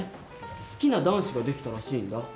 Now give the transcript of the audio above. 好きな男子ができたらしいんだ。